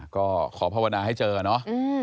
ก็ขอภาวนาให้เจอเนาะ